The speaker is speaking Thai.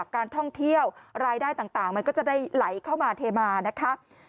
การท่องเที่ยวรายได้ต่างมันก็จะได้ไหลเข้ามาเทมานะคะ